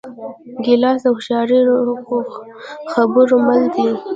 ګیلاس د هوښیارو خبرو مل دی.